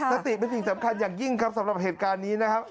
สติเป็นสิ่งสำคัญอย่างยิ่งครับสำหรับเหตุการณ์นี้นะครับ